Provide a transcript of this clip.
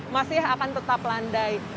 masih akan tetap landai